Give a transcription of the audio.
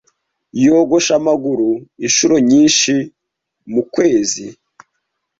Yogosha amaguru inshuro nyinshi mukwezi.